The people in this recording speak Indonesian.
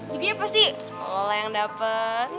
jadinya pasti sekolah yang dapat